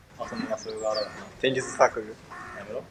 Consult sources listed at the end of this article for exact details.